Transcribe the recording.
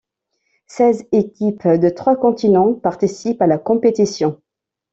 Seize équipes de trois continents participent à la compétition.